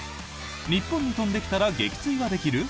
日本に飛んできたら撃墜はできる？